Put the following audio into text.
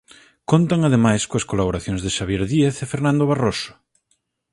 Contan ademais coas colaboracións de Xabier Díaz e Fernando Barroso.